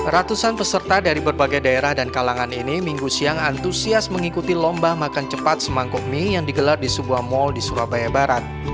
ratusan peserta dari berbagai daerah dan kalangan ini minggu siang antusias mengikuti lomba makan cepat semangkuk mie yang digelar di sebuah mal di surabaya barat